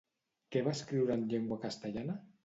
Què va escriure en llengua castellana?